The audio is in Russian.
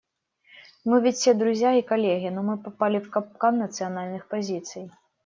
Мы ведь все друзья и коллеги, но мы попали в капкан национальных позиций.